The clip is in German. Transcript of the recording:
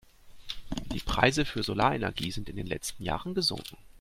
Die Preise für Solarenergie sind in den letzten Jahren gesunken.